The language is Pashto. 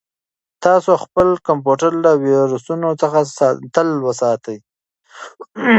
تاسو خپل کمپیوټر له ویروسونو څخه تل وساتئ.